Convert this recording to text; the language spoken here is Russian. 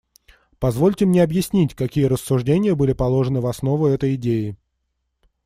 Позвольте мне объяснить, какие рассуждения были положены в основу этой идеи.